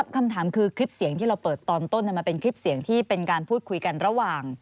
คำถามคือคลิปเสียงที่เราเปิดตอนต้นมันเป็นคลิปเสียงที่เป็นการพูดคุยกันระหว่าง